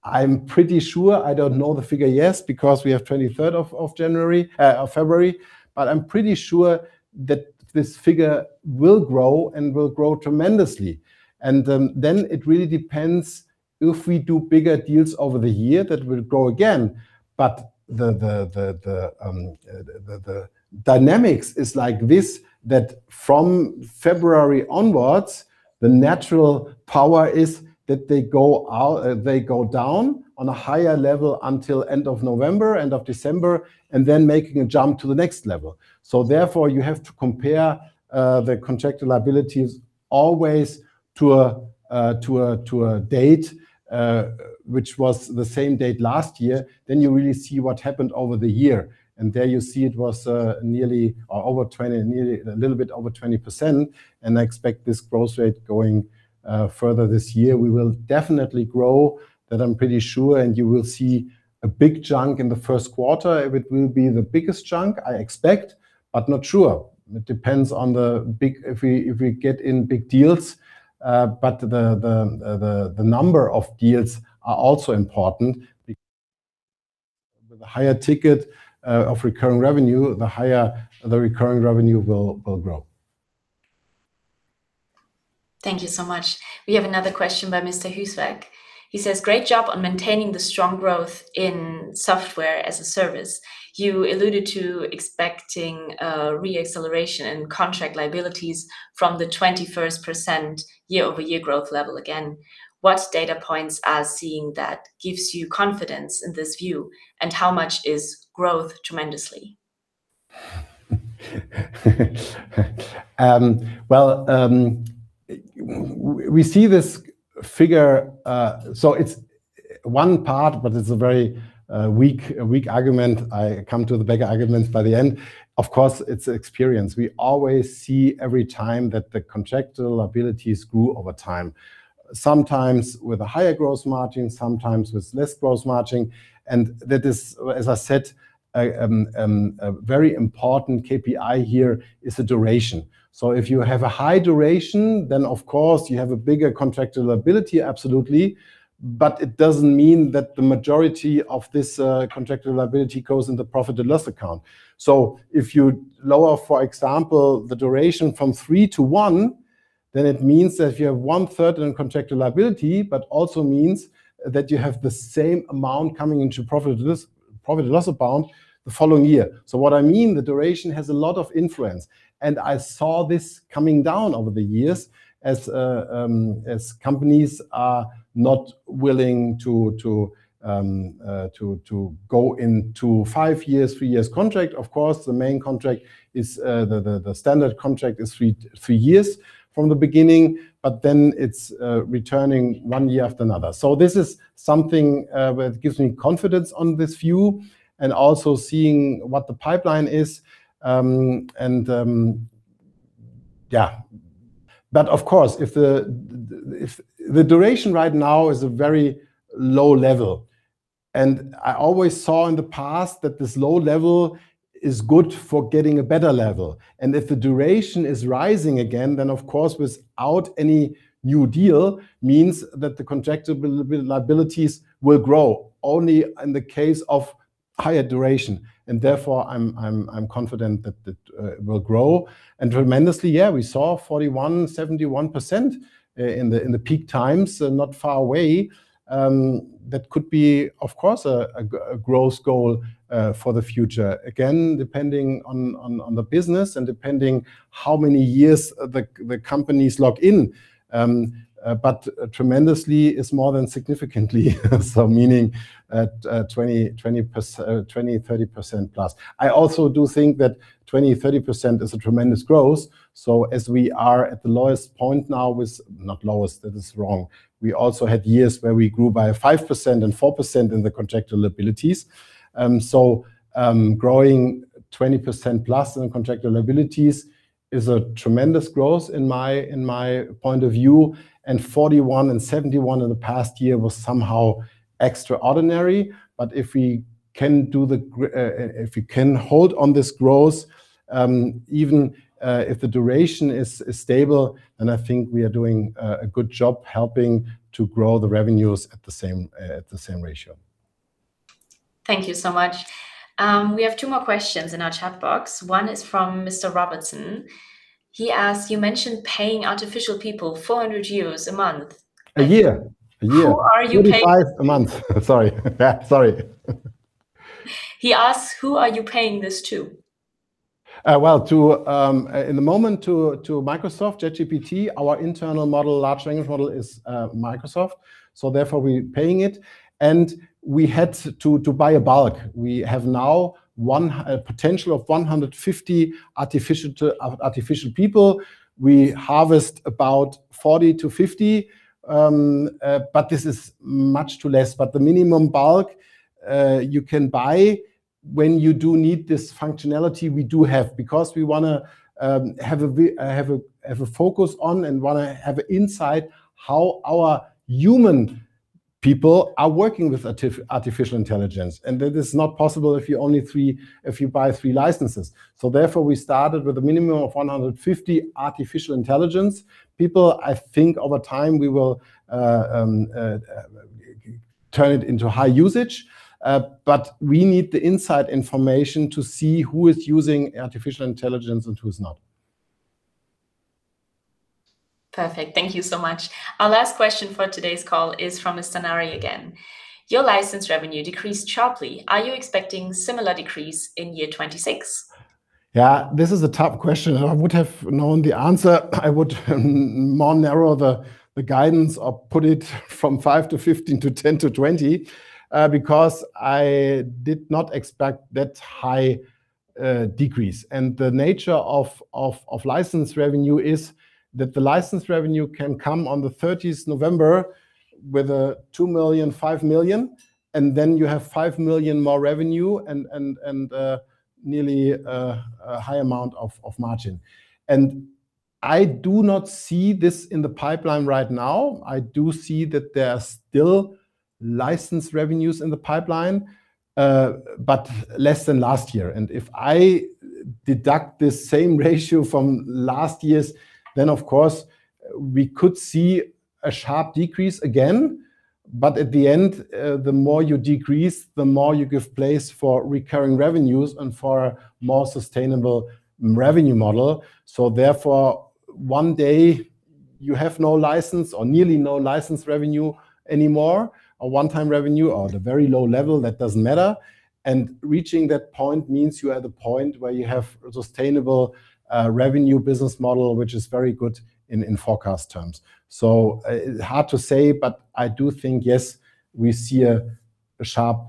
I'm pretty sure, I don't know the figure yet, because we have 23rd of February, but I'm pretty sure that this figure will grow and will grow tremendously. Then, then it really depends if we do bigger deals over the year, that will grow again. The, the, the, the, the, the dynamics is like this, that from February onwards, the natural power is that they go out- they go down on a higher level until end of November, end of December, and then making a jump to the next level. Therefore, you have to compare the contractual liabilities always to a, to a, to a date, which was the same date last year, then you really see what happened over the year. There you see it was nearly or over 20%, nearly, a little bit over 20%, and I expect this growth rate going further this year. We will definitely grow, that I'm pretty sure, and you will see a big chunk in the first quarter. It will be the biggest chunk, I expect, but not sure. It depends on if we, if we get in big deals, but the number of deals are also important, the higher ticket of recurring revenue, the higher the recurring revenue will, will grow. Thank you so much. We have another question by Mr. Huswerk. He says: Great job on maintaining the strong growth in software as a service. You alluded to expecting re-acceleration in contractual liabilities from the 21% year-over-year growth level again. What data points are seeing that gives you confidence in this view, and how much is growth tremendously? Well, we see this figure. It's one part, but it's a very weak, weak argument. I come to the bigger argument by the end. Of course, it's experience. We always see every time that the contractual liabilities grew over time, sometimes with a higher gross margin, sometimes with less gross margin. That is, as I said, a very important KPI here is the duration. If you have a high duration, then of course you have a bigger contractual liability, absolutely, but it doesn't mean that the majority of this contractual liability goes in the profit and loss account. If you lower, for example, the duration from three to one, then it means that you have 1/3 in contractual liability, but also means that you have the same amount coming into profit and loss, profit and loss account the following year. What I mean, the duration has a lot of influence, and I saw this coming down over the years as companies are not willing to go into five years, three years contract. Of course, the main contract is the standard contract is three years from the beginning, but then it's returning one year after another. This is something where it gives me confidence on this view, and also seeing what the pipeline is. And, yeah. But of course, The duration right now is a very low level. I always saw in the past that this low level is good for getting a better level. If the duration is rising again, then of course, without any new deal, means that the contractual liabilities will grow only in the case of higher duration. Therefore, I'm confident that it will grow. Tremendously, yeah, we saw 41%, 71% in the peak times, and not far away, that could be, of course, a growth goal for the future. Again, depending on the business and depending how many years the company's locked in. Tremendously is more than significantly, so meaning at 20%, 20%, 20%, 30% plus. I also do think that 20%, 30% is a tremendous growth. As we are at the lowest point now with... Not lowest, that is wrong. We also had years where we grew by 5% and 4% in the contractual liabilities. So, growing 20%+ in contractual liabilities is a tremendous growth in my, in my point of view, and 41% and 71% in the past year was somehow extraordinary. If we can hold on this growth, even if the duration is, is stable, then I think we are doing a good job helping to grow the revenues at the same, at the same ratio. Thank you so much. We have two more questions in our chat box. One is from Mr. Robertson. He asks: "You mentioned paying artificial people 400 euros a month. A year. A year. Who are you paying? EUR 35 a month. Sorry. Yeah, sorry. He asks, "Who are you paying this to? Well, to, in the moment, to Microsoft ChatGPT, our internal model, large language model, is Microsoft, so therefore we're paying it. We had to buy a bulk. We have now one potential of 150 artificial people. We harvest about 40-50, but this is much too less. The minimum bulk you can buy when you do need this functionality, we do have, because we wanna have a focus on and wanna have insight how our human people are working with artificial intelligence, and that is not possible if you buy three licenses. Therefore, we started with a minimum of 150 artificial intelligence people. I think over time we will turn it into high usage, but we need the inside information to see who is using artificial intelligence and who's not. Perfect. Thank you so much. Our last question for today's call is from Mr. Nari again: "Your license revenue decreased sharply. Are you expecting similar decrease in year 2026? Yeah, this is a tough question, and I would have known the answer, I would more narrow the guidance, or put it from 5%-15% to 10%-20%, because I did not expect that high decrease. The nature of license revenue is that the license revenue can come on the 30th November with a 2 million, 5 million, and then you have 5 million more revenue and nearly a high amount of margin. I do not see this in the pipeline right now. I do see that there are still license revenues in the pipeline, but less than last year. If I deduct the same ratio from last year's, then of course, we could see a sharp decrease again. At the end, the more you decrease, the more you give place for recurring revenues and for a more sustainable revenue model. Therefore, one day you have no license or nearly no license revenue anymore, a one-time revenue or at a very low level, that doesn't matter, and reaching that point means you are at the point where you have a sustainable revenue business model, which is very good in, in forecast terms. Hard to say, but I do think, yes, we see a sharp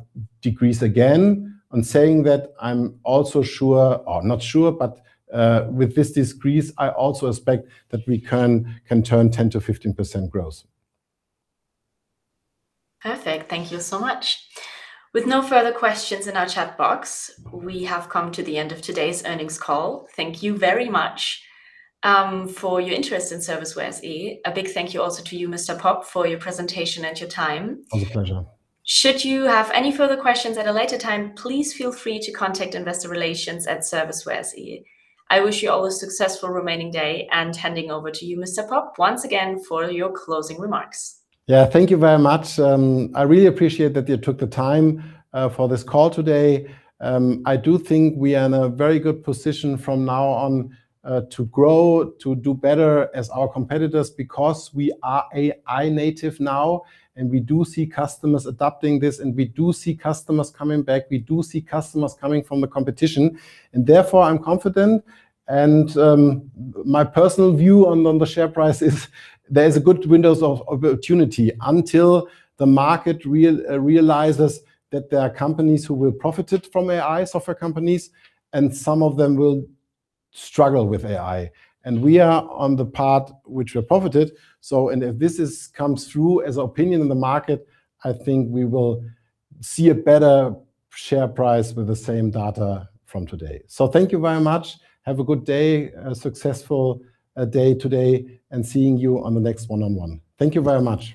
decrease again. Saying that, I'm also sure, or not sure, but with this decrease, I also expect that we can turn 10%-15% growth. Perfect. Thank you so much. With no further questions in our chat box, we have come to the end of today's earnings call. Thank you very much for your interest in Serviceware SE. A big thank you also to you, Mr. Popp, for your presentation and your time. It was a pleasure. Should you have any further questions at a later time, please feel free to contact Investor Relations at Serviceware SE. I wish you all a successful remaining day. Handing over to you, Mr. Popp, once again, for your closing remarks. Yeah, thank you very much. I really appreciate that you took the time for this call today. I do think we are in a very good position from now on to grow, to do better as our competitors, because we are AI native now, and we do see customers adopting this, and we do see customers coming back, we do see customers coming from the competition, and therefore, I'm confident. My personal view on the share price is there is a good windows of opportunity until the market realizes that there are companies who will profit it from AI, software companies, and some of them will struggle with AI. We are on the path which will profit it. If this comes through as opinion in the market, I think we will see a better share price with the same data from today. Thank you very much. Have a good day, a successful day today, and seeing you on the next one-on-one. Thank you very much.